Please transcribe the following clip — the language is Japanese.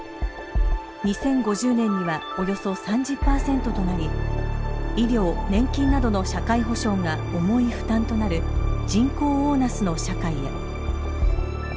２０５０年にはおよそ３０％となり医療年金などの社会保障が重い負担となる人口オーナスの社会へ。